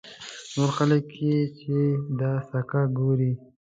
نور خلک چې دا سکه ګوري.